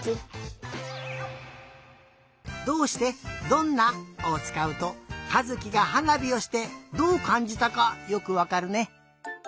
「どんな」をつかうとかずきがはなびをしてどうかんじたかよくわかるね。